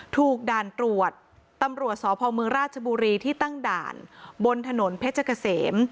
ด่านตรวจตำรวจสพมราชบุรีที่ตั้งด่านบนถนนเพชรเกษม